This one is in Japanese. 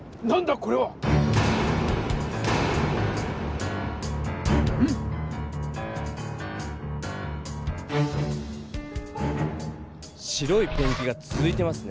これは！ん⁉白いペンキがつづいてますね。